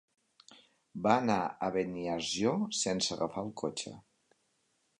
Va anar a Beniarjó sense agafar el cotxe.